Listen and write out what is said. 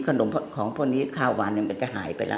ขนมของพวกนี้คาวานมันจะหายไปแล้ว